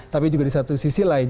tapi juga di satu sisi lain